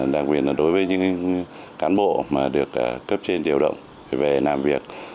đảng viên là đối với những cán bộ mà được cấp trên điều động về làm việc